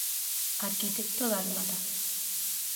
Arquitecto dálmata.